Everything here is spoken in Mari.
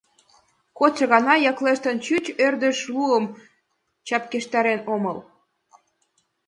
Кодшо гана, яклештын, чуч ӧрдыж луым чарпештарен омыл.